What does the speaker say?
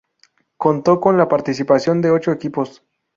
Contó con la participación de ocho equipos.